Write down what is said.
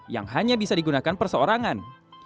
yang hanya bisa digunakan perseorangan